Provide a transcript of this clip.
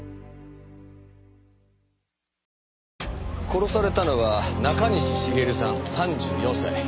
殺されたのは中西茂さん３４歳。